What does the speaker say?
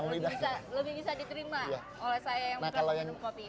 lebih bisa diterima oleh saya yang bukan minum kopi